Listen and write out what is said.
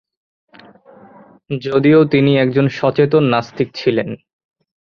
যদিও তিনি একজন সচেতন নাস্তিক ছিলেন।